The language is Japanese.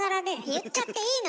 言っちゃっていいの？